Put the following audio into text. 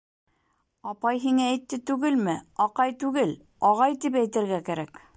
— Апай һиңә әйтте түгелме, аҡай түгел, ағай тип әйтергә кәрәк.